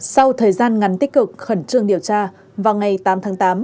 sau thời gian ngắn tích cực khẩn trương điều tra vào ngày tám tháng tám